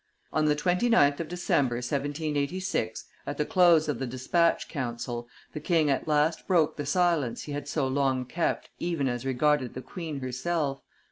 On the 29th of December, 1786, at the close of the despatch council, the king at last broke the silence he had so long kept even as regarded the queen herself.